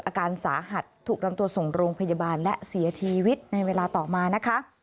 อาการสาหัสถูกนำตัวส่งโรงพยาบาลและเสียชีวิตในเวลาต่อมานะคะ